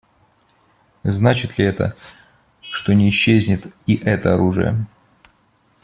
Значит ли это, что не исчезнет и это оружие?